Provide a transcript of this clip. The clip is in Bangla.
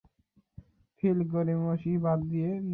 ফিল, গড়িমসি বাদ দিয়ে, নিজের দায়িত্ব সামলাও।